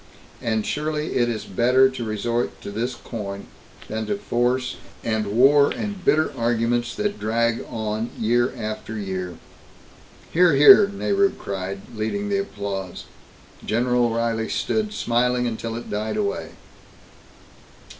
And surely it is better to resort to this coin than to force and war and bitter arguments that drag on year after year." "Hear! Hear!" Nehru cried, leading the applause. General O'Reilly stood smiling until it died away.